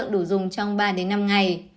dùng trong ba năm ngày